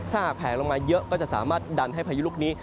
ถ้าหากแผลลงมาเยอะก็จะสามารถดันให้พายุลูกนี้